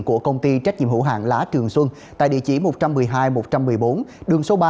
của công ty trách nhiệm hữu hạng lá trường xuân tại địa chỉ một trăm một mươi hai một trăm một mươi bốn đường số ba